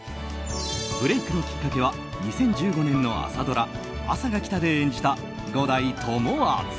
ブレークのきっかけは２０１５年の朝ドラ「あさが来た」で演じた五代友厚。